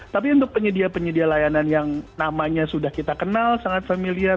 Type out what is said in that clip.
tapi untuk penyedia penyedia layanan yang namanya sudah kita kenal sangat familiar